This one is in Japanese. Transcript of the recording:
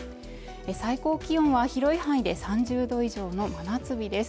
最高気温は広い範囲で３０度以上の真夏日です